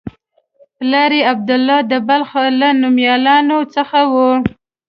پلار یې عبدالله د بلخ له نومیالیو څخه و.